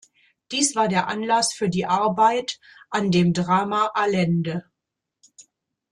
Dies war der Anlass für die Arbeit an dem Drama "Allende".